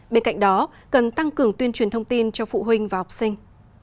bên cạnh đó cần tăng cường tuyên truyền thông tin cho phụ huynh và học sinh